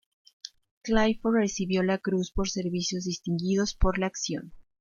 Clifford recibió la Cruz por Servicios Distinguidos por la acción.